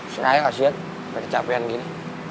seraya kasian pake capekan gini